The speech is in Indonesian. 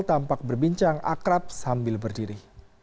tampak berbincang akrab sambil berdiri